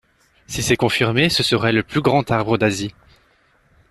Si c'est confirmé, ce serait le plus grand arbre d'Asie.